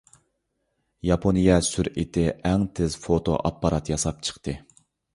ياپونىيە سۈرئىتى ئەڭ تېز فوتو ئاپپارات ياساپ چىقتى.